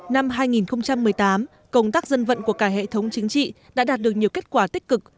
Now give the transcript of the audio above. năm hai nghìn một mươi tám công tác dân vận của cả hệ thống chính trị đã đạt được nhiều kết quả tích cực